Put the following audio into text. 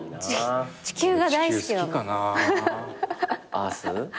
アース？